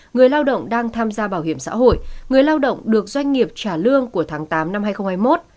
người lao động đang tham gia bảo hiểm xã hội người lao động được doanh nghiệp trả lương của tháng tám năm hai nghìn hai mươi một